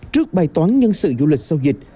trước bài toán nhân sự du lịch sau dịch